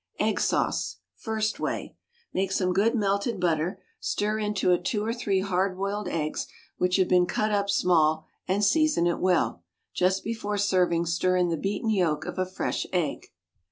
=Egg Sauce.= First Way: Make some good "melted butter," stir into it two or three hard boiled eggs which have been cut up small, and season it well. Just before serving stir in the beaten yolk of a fresh egg.